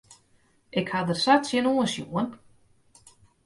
Ik ha der sa tsjinoan sjoen.